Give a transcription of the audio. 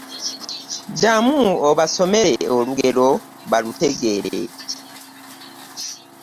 Ddamu obasomero olugero balutegeere.